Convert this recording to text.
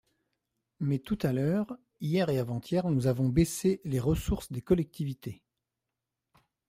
Mais tout à l’heure, hier et avant-hier, nous avons baissé les ressources des collectivités.